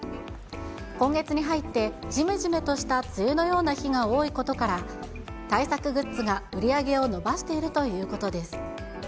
今月に入って、じめじめとした梅雨のような日が多いことから、対策グッズが売り上げを伸ばしているということです。